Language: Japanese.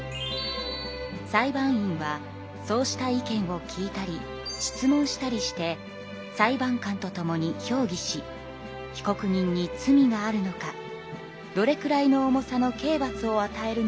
裁判員はそうした意見を聞いたり質問したりして裁判官と共に評議し被告人に罪があるのかどれくらいの重さの刑罰をあたえるのがよいのか話し合い